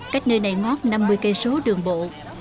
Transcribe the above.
cách nơi này ngót năm mươi km đường bộ